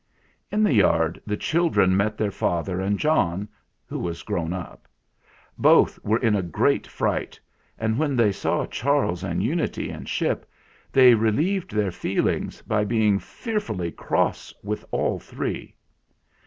In the yard the children met their father and John, who was grown up. Both were in a great fright, and when they saw Charles and Unity and Ship they relieved their THE SAD STRANGER 167 feelings by being fearfully cross with all three.